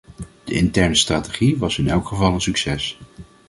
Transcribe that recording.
De interne strategie was in elk geval een succes.